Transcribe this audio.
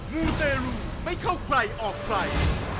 มูเตรลูไม่เข้าใครออกใคร